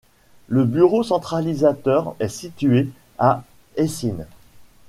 Le bureau centralisateur est situé à Eysines.